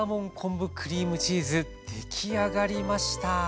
出来上がりました。